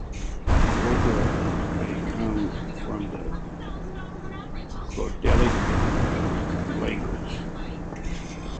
"Roca" may come from the Goidelic language.